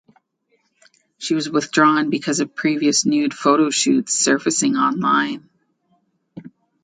She was withdrawn because of previous nude photoshoots surfacing online.